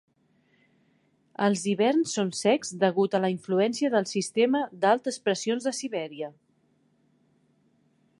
Els hiverns són secs degut a la influència del sistema d'altes pressions de Sibèria.